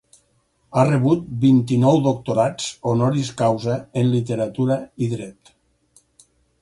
Ha rebut vint-i-nou doctorats honoris causa en literatura i dret.